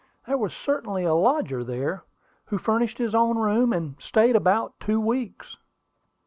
"There was certainly a lodger there, who furnished his own room, and stayed about two weeks."